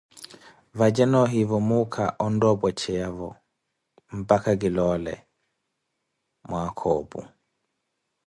Vaje noohivo muuka ontta opwecheyavo, mpakha ki loole mwaaka opu.